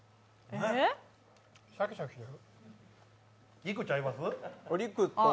肉、ちゃいます？